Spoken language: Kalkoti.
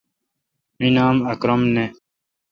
می نام اکرم نہ۔